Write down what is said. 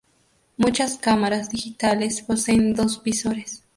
Muchas cámaras digitales poseen dos visores.